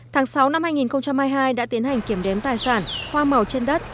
tháng sáu năm hai nghìn hai mươi hai đã tiến hành kiểm đếm tài sản hoa màu trên đất